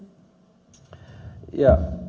untuk memantau secara langsung